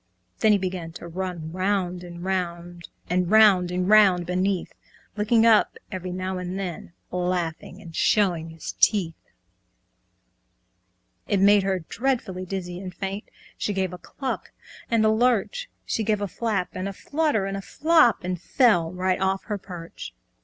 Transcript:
Then he began to run round and round, And round and round beneath, Looking up every now and then, Laughing and showing his teeth. It made her dreadfully dizzy and faint, She gave a cluck and a lurch, She gave a flap and a flutter and flop, And fell right off her perch.